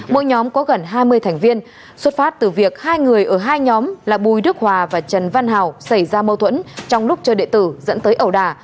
mỗi nhóm có gần hai mươi thành viên xuất phát từ việc hai người ở hai nhóm là bùi đức hòa và trần văn hào xảy ra mâu thuẫn trong lúc chơi đệ tử dẫn tới ẩu đà